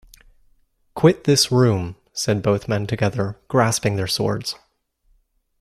“Quit this room,” said both men together, grasping their swords.